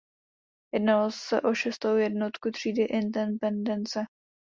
Jednalo se o šestou jednotku třídy "Independence".